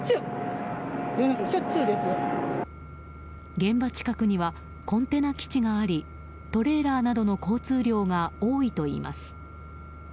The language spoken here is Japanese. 現場近くにはコンテナ基地がありトレーラーなどの交通量が多いといいます。